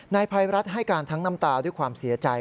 นายภัยรัฐให้การทั้งน้ำตาด้วยความเสียใจ